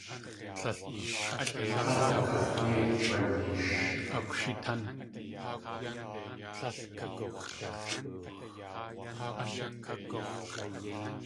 Tlél a káx̲ yei kg̲wayeesh.